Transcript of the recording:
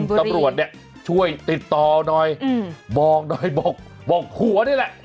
ตำรวจเนี่ยช่วยติดต่อหน่อยบอกหน่อยบอกผัวนี่แหละ